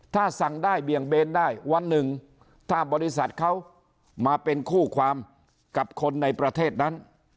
ถ้าสั่งได้เบี่ยงเบนได้วันหนึ่งถ้าบริษัทเขามาเป็นคู่ความกับคนในประเทศนั้น